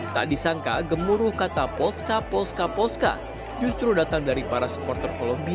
tak disangka gemuruh kata polska polska polska justru datang dari para supporter kolombia